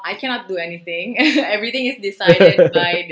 itu sudah diutamakan oleh